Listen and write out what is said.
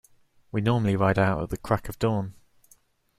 We normally ride out at the crack of dawn.